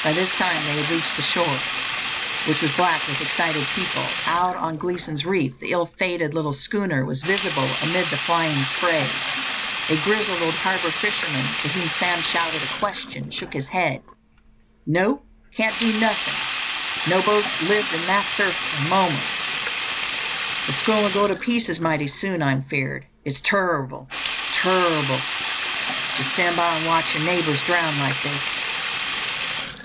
By this time they had reached the shore, which was black with excited people. Out on Gleeson's Reef the ill fated little schooner was visible amid the flying spray. A grizzled old Harbour fisherman, to whom Sam shouted a question, shook his head. "No, can't do nothin'! No boat c'd live in that surf f'r a moment. The schooner'll go to pieces mighty soon, I'm feared. It's turrible! turrible! to stan' by an' watch yer neighbours drown like this!"